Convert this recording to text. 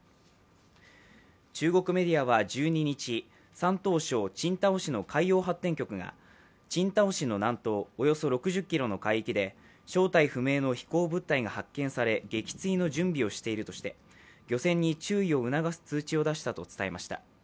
中国メディアは１２日、山東省青島市の海洋発展局が青島市の南東およそ６０ｋｍの海域で正体不明の飛行物体が発見され撃墜の準備をしているとして漁船に注意を促す通知を出したと伝えました。